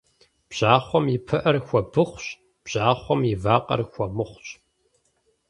Бжьахъуэм и пыӏэр хуэбыхъущ, бжьахъуэм и вакъэр хуэмыхъущ.